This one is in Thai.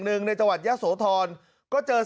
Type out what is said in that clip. การนอนไม่จำเป็นต้องมีอะไรกัน